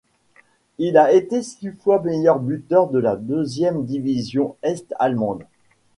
Il a été six fois meilleur buteur de la deuxième division est-allemande.